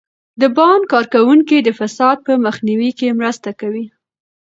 د بانک کارکوونکي د فساد په مخنیوي کې مرسته کوي.